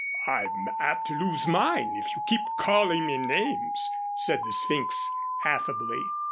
"I'm apt to lose mine, if you keep calling me names," said the Sphynx, affably.